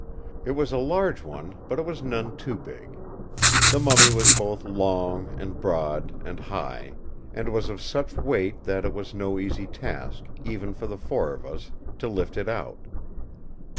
It was a large one; but it was none too big. The mummy was both long and broad and high; and was of such weight that it was no easy task, even for the four of us, to lift it out.